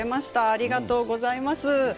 ありがとうございます。